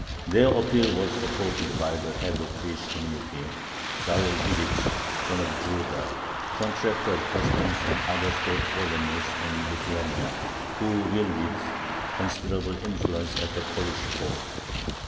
Their appeal was supported by the head of the Jewish community, Saul Yudich (son of Judah), contractor of customs and other state revenues in Lithuania, who wielded considerable influence at the Polish court.